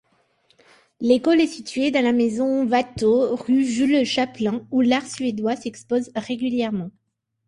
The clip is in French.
L'école est située dans la Maison Watteau, rue Jules-Chaplain, où l'art suédois s'expose régulièrement.